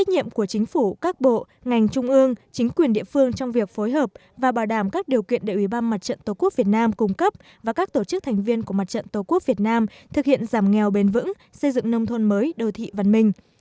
nghị quyết liên tịch này quy định trách nhiệm của ủy ban mặt trận tổ quốc việt nam các cấp và các tổ chức thành viên của mặt trận tổ quốc việt nam trong việc phối hợp các cơ quan nhà nước xây dựng nông thuần mới đô thị văn minh